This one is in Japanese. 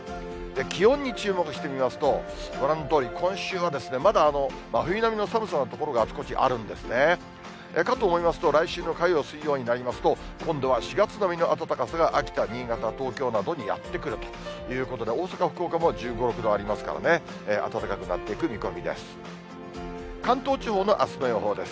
気温に注目して見ますと、ご覧のとおり、今週はまだ真冬並みの寒さの所があちこちあるんですね。かと思いますと、来週の火曜、水曜になりますと、今度は４月並みの暖かさが、秋田、新潟、東京などにやって来るということで、大阪、福岡も、１５、６度ありますからね、暖かくなっていく見込みです。